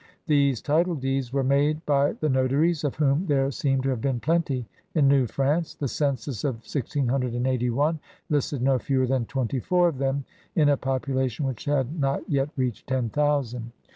These title deeds were made by the notaries, of whom there seem to have been plenty in New France; the census of 1681 listed no fewer than twenty four of them in a population which had not yet reached ten thousand.